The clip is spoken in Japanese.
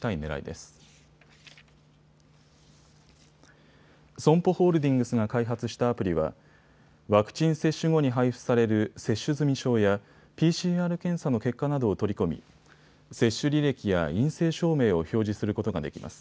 ＳＯＭＰＯホールディングスが開発したアプリはワクチン接種後に配布される接種済証やＰＣＲ検査の結果などを取り込み接種履歴や陰性証明を表示することができます。